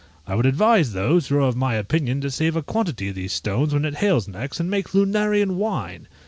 I would advise those who are of my opinion to save a quantity of these stones when it hails next, and make Lunarian wine.